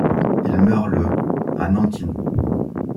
Il meurt le à Nankin.